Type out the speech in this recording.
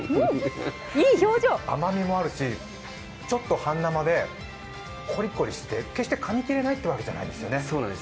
甘みもあるし、ちょっと半生でこりこりして決してかみきれないわけじゃないんですよね。